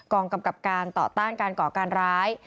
กำกับการต่อต้านการก่อการร้าย